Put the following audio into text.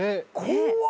怖っ。